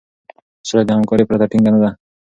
سوله د همکارۍ پرته ټينګه نه ده.